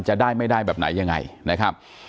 อ๋อเจ้าสีสุข่าวของสิ้นพอได้ด้วย